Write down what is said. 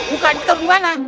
muka di tengah dimana